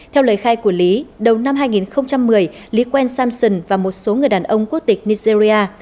theo lời khai của lý đầu năm hai nghìn một mươi lý quen samson và một số người đàn ông quốc tịch nigeria